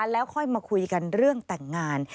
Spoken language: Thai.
แล้วค่อยมาคุยกันเรื่องแต่งงาน